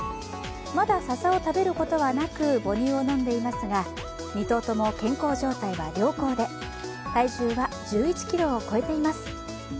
まだ笹を食べることはなく、母乳を飲んでいますが２頭とも健康状態は良好で、体重は１１ｋｇを超えています。